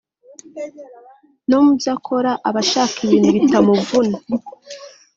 no mu byo akora aba ashaka ibintu bitamuvuna